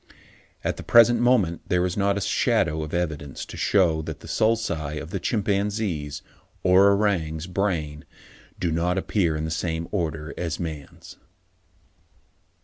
At the present moment there is not a shadow of evidence to shew that the sulci of a chimpanzee's, or orang's, brain do not appear in the same order as a man's.